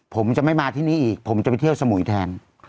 ผมจะไม่มาที่นี่อีกผมจะไปเที่ยวสมุยแทน